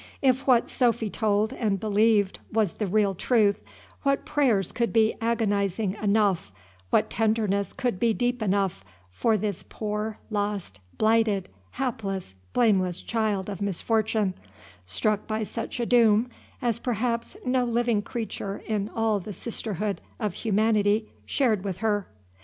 If what Sophy told and believed was the real truth, what prayers could be agonizing enough, what tenderness could be deep enough, for this poor, lost, blighted, hapless, blameless child of misfortune, struck by such a doom as perhaps no living creature in all the sisterhood of humanity shared with her?